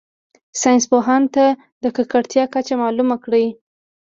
ساینس پوهانو ته د ککړتیا کچه معلومه کړي.